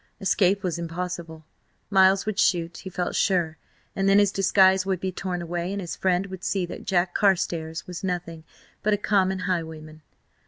Escape was impossible; Miles would shoot, he felt sure, and then his disguise would be torn away and his friend would see that Jack Carstares was nothing but a common highwayman.